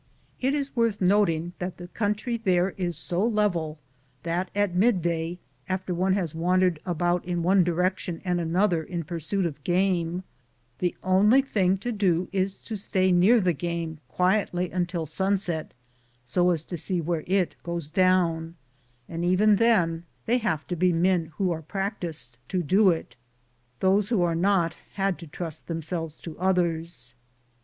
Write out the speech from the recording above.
It is worth noting that the country there is so level that at midday, after one has wandered about in one direction and an other in pursuit of game, the only thing to do is to stay near the game quietly until sunset, so as to see where it goes down, and even then they have to be men who are practiced to do it. Those who are not, had to trust themselves to others.